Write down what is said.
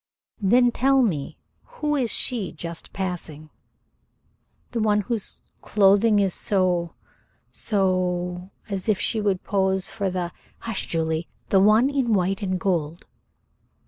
"Then tell me, who is she just passing?" "The one whose clothing is so so as if she would pose for the " "Hush, Julie. The one in white and gold."